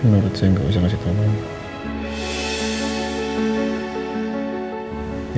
menurut saya gak usah kasih tau mama